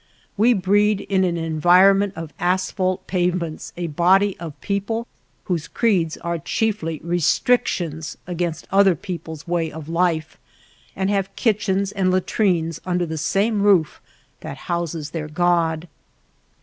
We breed in an_environment of asphalt pavements a body of people whose creeds are chiefly restrictions against other people's way of 279 THE LITTLE TOWN OF THE GRAPE VINES life, and have kitchens and latrines under the same roof that houses their God.